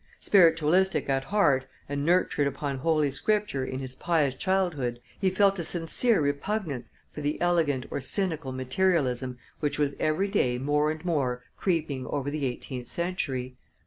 Spiritualistic at heart and nurtured upon Holy Scripture in his pious childhood, he felt a sincere repugnance for the elegant or cynical materialism which was every day more and more creeping over the eighteenth century.